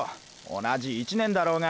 同じ１年だろうが。